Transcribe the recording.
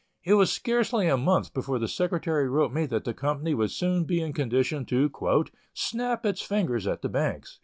It was scarcely a month before the secretary wrote me that the company would soon be in condition to "snap its fingers at the banks."